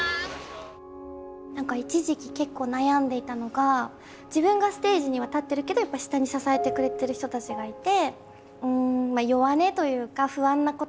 何か一時期結構悩んでいたのが自分がステージには立ってるけどやっぱ下に支えてくれてる人たちがいて。